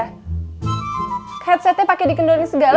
headsetnya pake dikendorin segala